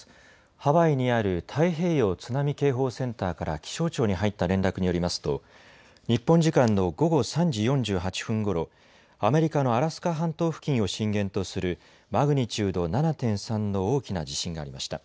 ハワイにある太平洋津波警報センターから気象庁に入った連絡によりますと日本時間の午後３時４８分ごろアメリカのアラスカ半島付近を震源とするマグニチュード７．３の大きな地震がありました。